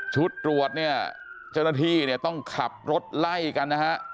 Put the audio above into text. ตรวจเนี่ยเจ้าหน้าที่เนี่ยต้องขับรถไล่กันนะฮะ